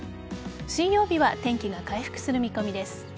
水曜日は天気が回復する見込みです。